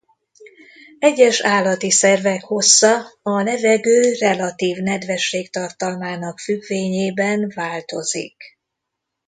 Egyes állati szervek hossza a levegő relatív nedvességtartalmának függvényében változik.